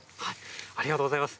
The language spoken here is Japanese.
ありがとうございます。